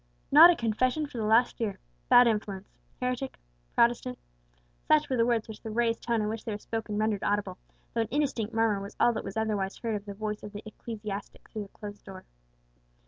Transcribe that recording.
"Not at confession for the last year, bad influence heretic Protestant," such were the words which the raised tone in which they were spoken rendered audible, though an indistinct murmur was all that was otherwise heard of the voice of the ecclesiastic through the closed door.